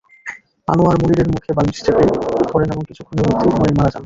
আনোয়ার মনিরের মুখে বালিশ চেপে ধরেন এবং কিছুক্ষণের মধ্যে মনির মারা যান।